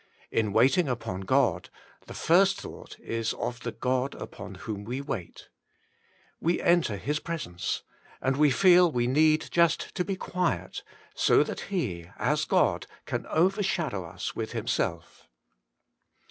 In waiting upon God, the first thought is of the God upon whom we wait We enter His presence, and feel we need just to be quiet, so that He, as God, can over shadow us with Himself.